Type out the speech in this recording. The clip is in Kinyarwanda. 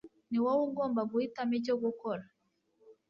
ni wowe ugomba guhitamo icyo gukora